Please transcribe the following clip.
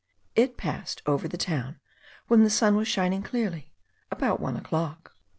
It passed over the town, when the sun was shining clearly, about one o'clock.